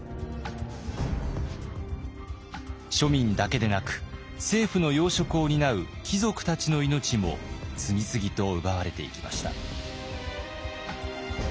庶民だけでなく政府の要職を担う貴族たちの命も次々と奪われていきました。